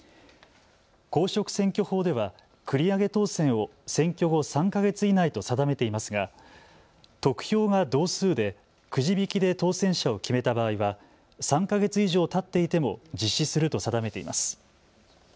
公職選挙法では繰り上げ当選を選挙後３か月以内と定めていますが、得票が同数でくじ引きで当選者を決めた場合は３か月以上たっていても実施すると定めています。